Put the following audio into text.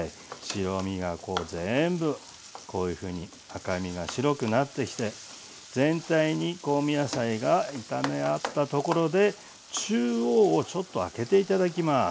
白身がこう全部こういうふうに赤身が白くなってきて全体に香味野菜が炒め合ったところで中央をちょっとあけて頂きます。